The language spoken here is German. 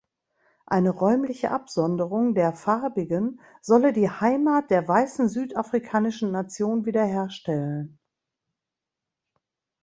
Eine „räumliche Absonderung“ der „Farbigen“ solle die „Heimat der weißen südafrikanischen Nation“ wieder herstellen.